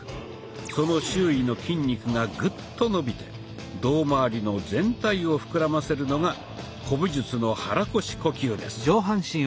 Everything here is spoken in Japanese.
その周囲の筋肉がグッと伸びて胴まわりの全体を膨らませるのが古武術の肚腰呼吸です。